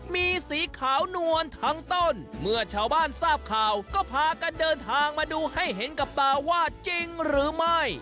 มีสีขาวนวลทั้งต้นเมื่อชาวบ้านทราบข่าวก็พากันเดินทางมาดูให้เห็นกับตาว่าจริงหรือไม่